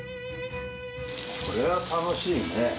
これは楽しいね。